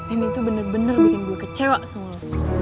ini tuh bener bener bikin gue kecewa sama lo